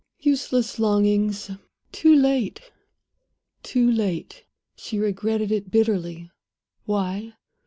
Useless longings! Too late! too late! She regretted it bitterly. Why?